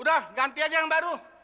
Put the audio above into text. udah ganti aja yang baru